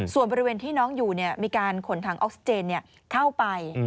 ส่วนบริเวณที่น้องอยู่มีการขนถังออกซิเจนเข้าไป